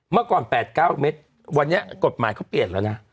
เมื่อก่อน๘๙เมตรวันนี้กฎหมายเขาเปลี่ยนแล้วนะ